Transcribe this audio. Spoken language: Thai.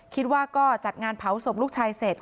คิดว่าก็จัดงานเผาศพลูกชายเสร็จ